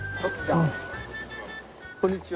こんにちは。